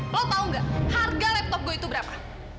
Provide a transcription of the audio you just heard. lo tahu nggak harga laptop gue itu berapa